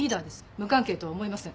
無関係とは思えません